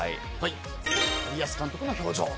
森保監督の表情。